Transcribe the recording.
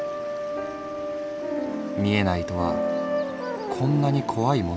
「見えないとはこんなに怖いものなのか。